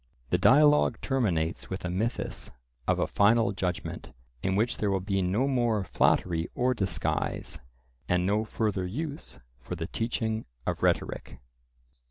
The dialogue terminates with a mythus of a final judgment, in which there will be no more flattery or disguise, and no further use for the teaching of rhetoric.